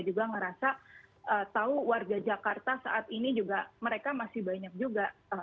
juga ngerasa tahu warga jakarta saat ini juga mereka masih banyak juga